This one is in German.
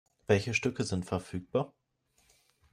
Welche Stücke sind verfügbar?